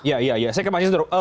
saya kemasin sendiri